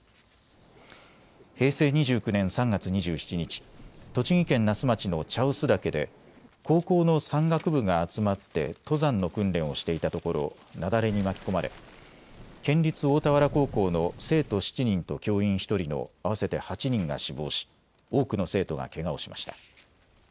平成２９年３月２７日、栃木県那須町の茶臼岳で高校の山岳部が集まって登山の訓練をしていたところ雪崩に巻き込まれ県立大田原高校の生徒７人と教員１人の合わせて８人が死亡し多くの生徒がけがをしました。